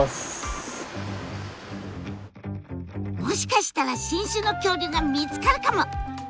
もしかしたら新種の恐竜が見つかるかも！